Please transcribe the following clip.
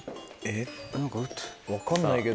分かんないけど。